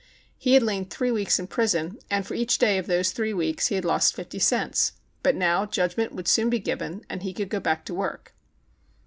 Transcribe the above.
He had lain three weeks in prison, and for each day of those three weeks he had lost fifty cents. But now judgment would soon be given, and he would go back to work.